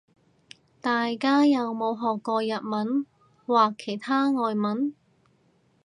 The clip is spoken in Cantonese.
大家有冇學過日文或其他外文